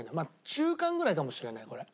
中間ぐらいかもしれないこれ。